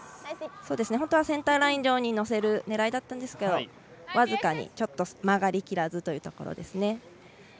本当はセンターライン上に乗せる狙いだったんですが僅かにちょっと曲がりきらずというところです。